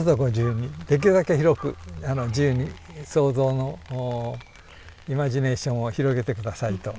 できるだけ広く自由に想像のイマジネーションを広げて下さいと。